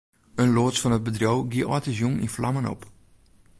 In loads fan it bedriuw gie âldjiersjûn yn flammen op.